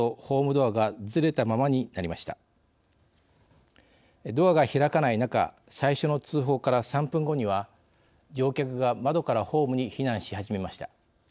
ドアが開かない中最初の通報から３分後には乗客が窓からホームに避難し始めました。